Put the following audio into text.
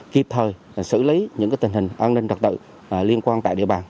kịp thời xử lý những tình hình an ninh trật tự liên quan tại địa bàn